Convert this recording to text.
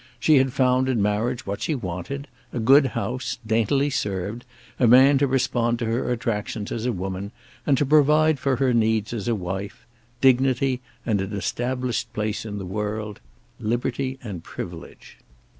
She had found in marriage what she wanted; a good house, daintily served; a man to respond to her attractions as a woman, and to provide for her needs as a wife; dignity and an established place in the world; liberty and privilege.